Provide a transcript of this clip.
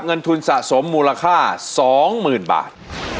เงินทุนสะสมมูลค่าสองหมื่นบาท